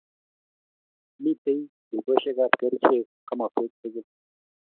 Mitei dukeshek ab kerichek komaswek tukul